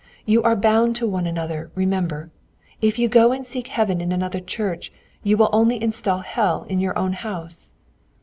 You are bound to one another, remember. If you go and seek heaven in another church, you will only install hell in your own house.